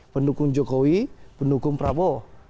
pendukung jokowi pendukung prabowo